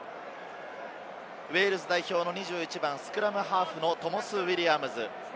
ウェールズ代表の２１番、スクラムハーフのトモス・ウィリアムズ。